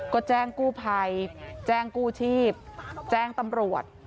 ก็แจ้งกู้ภัยแจ้งกู้ชีพแจ้งตำรวจ